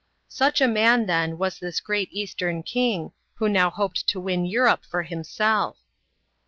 Such a man, then, was this great Eastern king, who now hoped to win Europe for himself.